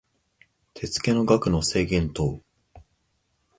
手付の額の制限等